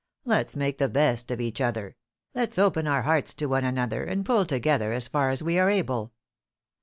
Let's make the best of each other; let's open our hearts to one another, and pull together as far as we are able.